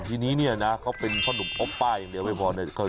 ทีนี้เนี่ยนะเขาเป็นพ่อหนุ่มพบป้ายอย่างเดียวไม่พอเนี่ย